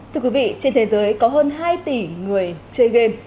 thưa quý vị trên thế giới có hơn hai tỷ người chơi game